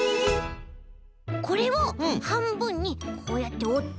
これをはんぶんにこうやっておって。